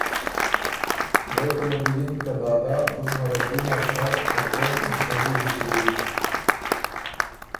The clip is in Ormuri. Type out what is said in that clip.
غوېکه له بو یِن که ”دادا تُو بو مرکي نر شر، ته قوم مِݭېري بو کېوی